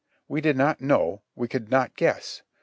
We did not know ; we could not guess.